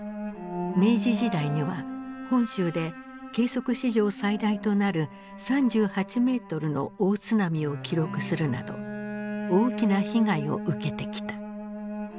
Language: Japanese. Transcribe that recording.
明治時代には本州で計測史上最大となる３８メートルの大津波を記録するなど大きな被害を受けてきた。